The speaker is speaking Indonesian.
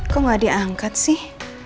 kok gak diangkat sih